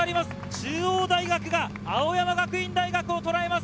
中央大学が青山学院大学をとらえます。